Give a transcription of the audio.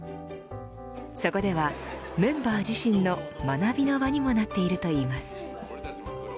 そこでは、メンバー自身の学びの場にもなっているといいます。